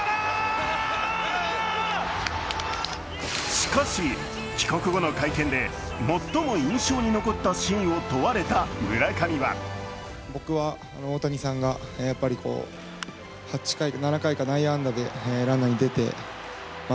しかし、帰国後の会見で最も印象に残ったシーンを問われた村上は最後は大谷とトラウトの対決。